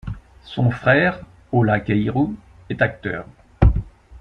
Son frère, Olah Keiru est acteur.